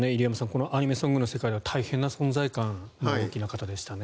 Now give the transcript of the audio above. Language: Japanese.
このアニメソングの世界では大変な存在感大きな方でしたね。